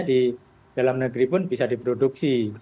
di dalam negeri pun bisa diproduksi